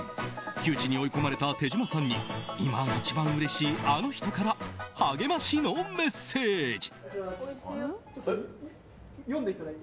窮地に追い込まれた手島さんに今一番うれしいあの人から励ましのメッセージ！